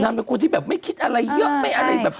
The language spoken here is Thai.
เป็นคนที่แบบไม่คิดอะไรเยอะไม่อะไรแบบ